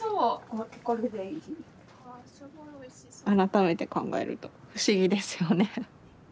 改めて考えると不思議ですよね。